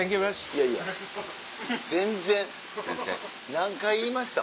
何回言いました？